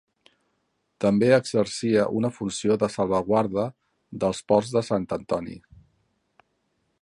També exercia una funció de salvaguarda del port de Sant Antoni.